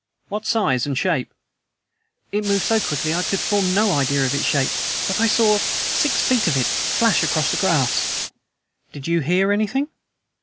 "What size and shape?" "It moved so quickly I could form no idea of its shape; but I saw quite six feet of it flash across the grass!" "Did you hear anything?"